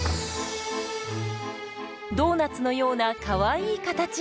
ドーナツのようなかわいい形。